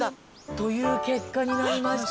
という結果になりまして。